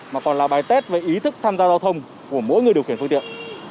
mà còn là bài tết về ý thức tham gia giao thông của mỗi người điều khiển phương tiện